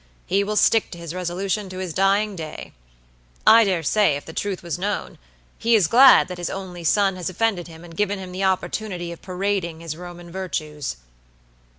He will stick to his resolution to his dying day. I dare say, if the truth was known, he is glad that his only son has offended him and given him the opportunity of parading his Roman virtues."